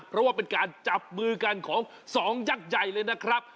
เพราะว่าเป็นการจับมือกันของสองยักษ์ใหญ่เลยนะครับ